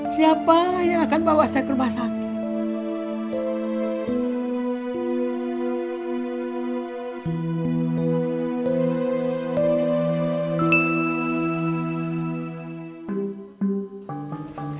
siapa yang akan bawa saya ke rumah sakit